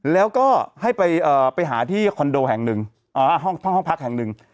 แล้วก็ให้ไปหาที่คอนโดแห่งหนึ่งห้องพักแห่งหนึ่ง